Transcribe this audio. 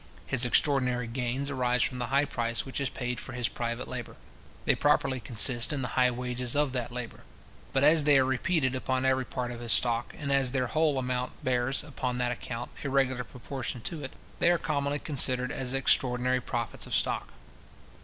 His extraordinary gains arise from the high price which is paid for his private labour. They properly consist in the high wages of that labour. But as they are repeated upon every part of his stock, and as their whole amount bears, upon that account, a regular proportion to it, they are commonly considered as extraordinary profits of stock.